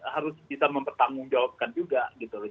harus bisa mempertanggungjawabkan juga gitu loh